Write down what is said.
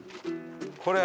これ。